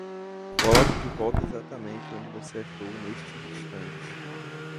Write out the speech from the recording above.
Coloque de volta exatamente onde você achou neste instante.